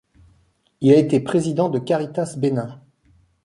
Il a été président de Caritas Bénin.